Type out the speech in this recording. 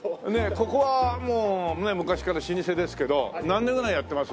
ここはもう昔から老舗ですけど何年ぐらいやってます？